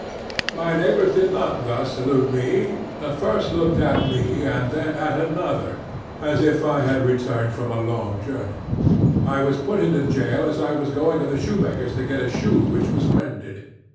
My neighbors did not thus salute me, but first looked at me, and then at one another, as if I had returned from a long journey. I was put into jail as I was going to the shoemaker's to get a shoe which was mended.